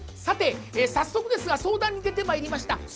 さて早速ですが相談に出てまいりました